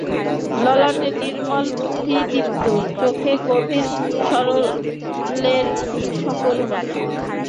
ললাটে নির্মল বুদ্ধির দীপ্তি, চোখে গভীর সারল্যের সকরুণতা।